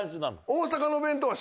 大阪の弁当は。